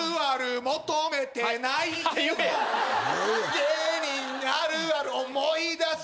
芸人あるある思い出す